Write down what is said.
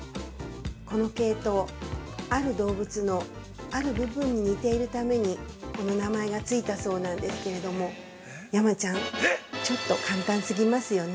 このケイトウ、ある動物のある部分に似ているためにこの名前がついたそうなんですけれども、山ちゃん、ちょっと簡単すぎますよね？